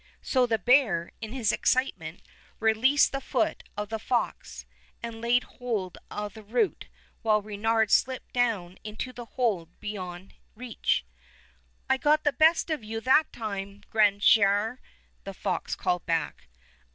So the bear, in his excitement, released the foot of the fox, and laid hold of the root, while Reynard slipped down into the hole beyond reach. "I got the best of you that time, grand sire," the fox called back.